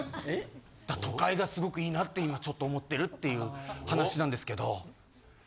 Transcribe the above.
都会がすごくいいなって今ちょっと思ってるっていう話なんですけど。